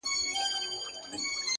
څوك مي دي په زړه باندي لاس نه وهي”